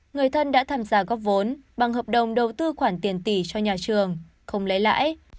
người thân đã tham gia góp vốn bằng hợp đồng đầu tư khoản tiền tỷ cho nhà trường không lấy lãi